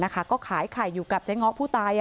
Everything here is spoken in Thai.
ก็ขายไข่อยู่กับเจ๊ง้อผู้ตาย